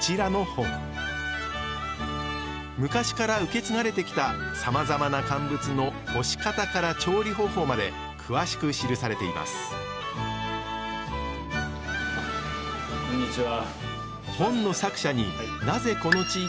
昔から受け継がれてきたさまざまな乾物の干し方から調理方法まで詳しく記されていますこんにちは。